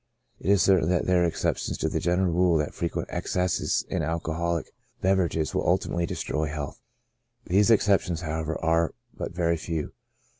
It is cer tain there are exceptions to the general rule that frequent excesses in alcoholic beverages will ultimately destroy health ; these exceptions however, are, but very few.